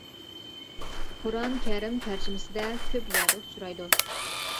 قۇرئان كەرىم تەرجىمىسىدە كۆپ يەردە ئۇچرايدۇ.